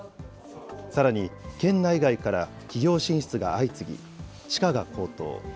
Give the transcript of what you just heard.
さらに、県内外から企業進出が相次ぎ、地価が高騰。